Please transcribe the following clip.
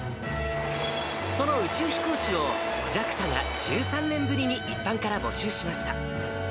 その宇宙飛行士をＪＡＸＡが１３年ぶりに一般から募集しました。